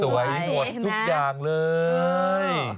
สวยสุดทุกอย่างเลย